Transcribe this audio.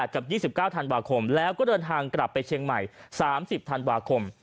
๒๘กับ๒๙ธันตุวาภคมแล้วก็กลับเป็นเชียงใหม่กับ๓๐ธันตุวาภคม